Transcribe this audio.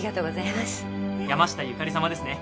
山下ゆかりさまですね